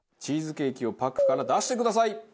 チーズケーキをパックから出してください。